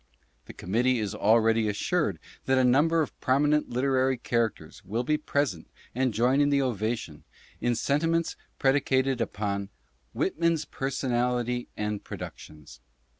The Committee is already assured that a number of prominent Literary characters will be present and join in the ovation, in sentiments predicated upon WHITMAN'S PERSONALITY AND PRODUCTIONS.